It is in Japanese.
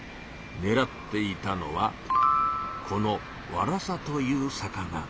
ねらっていたのはこのワラサという魚。